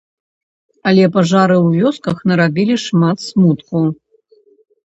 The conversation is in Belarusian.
Але пажары ў вёсках нарабілі шмат смутку.